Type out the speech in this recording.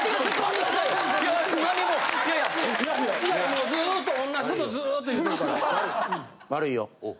もうずっと同じことずっと言うてるから。